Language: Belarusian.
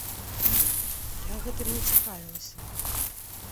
Я гэтым не цікавілася.